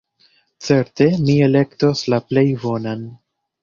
Certe mi elektos la plej bonan.